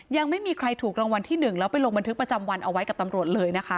ยังไม่มีใครถูกรางวัลที่๑แล้วไปลงบันทึกประจำวันเอาไว้กับตำรวจเลยนะคะ